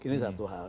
ini satu hal